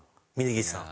峯岸さん。